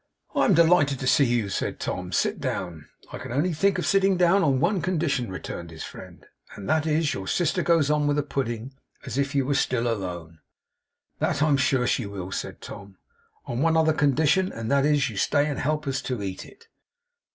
'I am delighted to see you,' said Tom. 'Sit down.' 'I can only think of sitting down on one condition,' returned his friend; 'and that is, that your sister goes on with the pudding, as if you were still alone.' 'That I am sure she will,' said Tom. 'On one other condition, and that is, that you stay and help us to eat it.